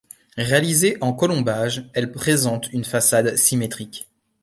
Réalisée en colombages, elle présente une façade symétrique.